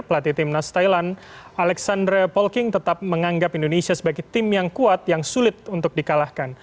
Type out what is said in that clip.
pelatih timnas thailand alexandra polking tetap menganggap indonesia sebagai tim yang kuat yang sulit untuk dikalahkan